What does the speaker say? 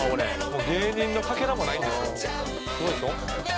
「もう芸人のかけらもないんですよ」